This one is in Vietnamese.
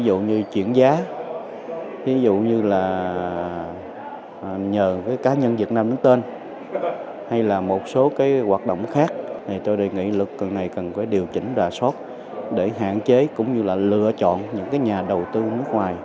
ví dụ như chuyển giá ví dụ như là nhờ cá nhân việt nam đến tên hay là một số hoạt động khác tôi đề nghị lực này cần điều chỉnh đà sót để hạn chế cũng như lựa chọn những nhà đầu tư nước ngoài